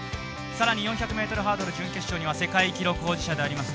更に４００ｍハードル準決勝には世界記録保持者であります